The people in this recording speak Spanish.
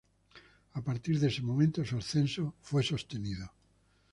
A partir de ese momento su ascenso fue sostenido.